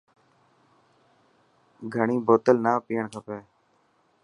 گهڻي بوتل نا پئڻ کپي.